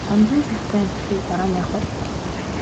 Санал нь шүүгдсэн амьтдыг дараа нь яах бол?